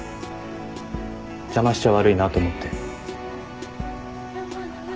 邪魔しちゃ悪いなと思って。